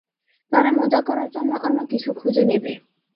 তারা মজা করার জন্য অন্য কিছু খুঁজে নেবে।